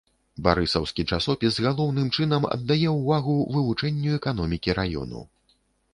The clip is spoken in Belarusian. Барысаўскі часопіс галоўным чынам аддае ўвагу вывучэнню эканомікі раёну.